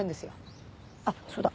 あっそうだ。